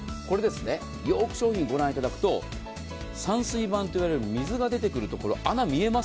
よく商品をご覧いただくと散水板といわれる水が出てくるところ穴、見えます？